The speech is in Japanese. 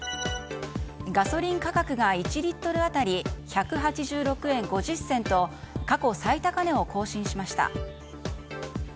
ガソリン価格が１リットル当たり１８６円５０銭と過去最高値を更新しました。